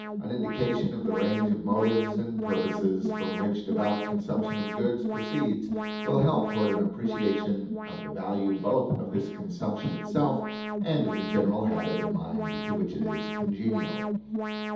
An indication of the range of motives and purposes from which devout consumption of goods proceeds will help toward an appreciation of the value both of this consumption itself and of the general habit of mind to which it is congenial.